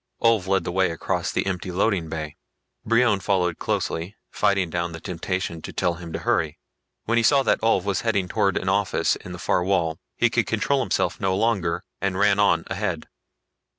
Ulv led the way across the empty loading bay. Brion followed closely, fighting down the temptation to tell him to hurry. When he saw that Ulv was heading towards an office in the far wall, he could control himself no longer and ran on ahead.